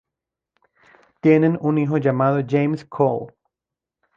Tienen un hijo llamado James Cole.